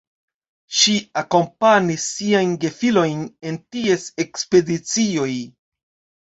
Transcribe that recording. Ŝi akompanis siajn gefilojn en ties ekspedicioj.